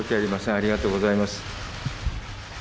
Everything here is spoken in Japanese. ありがとうございます。